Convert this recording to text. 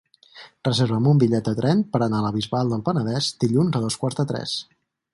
Reserva'm un bitllet de tren per anar a la Bisbal del Penedès dilluns a dos quarts de tres.